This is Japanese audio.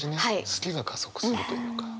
好きが加速するというか。